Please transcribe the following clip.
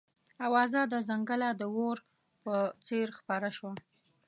اوازه د ځنګله د اور په څېر خپره شوه.